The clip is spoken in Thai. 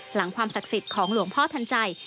ความศักดิ์สิทธิ์ของหลวงพ่อทันใจ